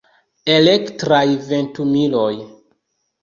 Elektraj ventumiloj.